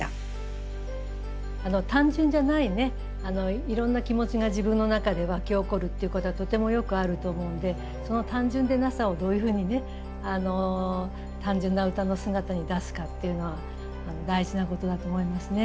単純じゃないいろんな気持ちが自分の中で湧き起こるっていうことはとてもよくあると思うんでその単純でなさをどういうふうに単純な歌の姿に出すかっていうのは大事なことだと思いますね。